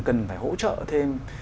cần phải hỗ trợ thêm